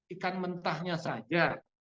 ikan mentahnya saja